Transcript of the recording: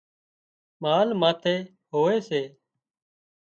مال ماٿي هوئي سي